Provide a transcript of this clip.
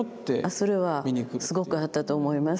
それはすごくあったと思います。